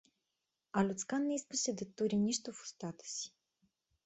А Люцкан не искаше да тури нищо в устата си.